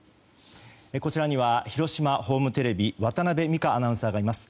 こちらには広島ホームテレビの渡辺美佳アナウンサーがいます。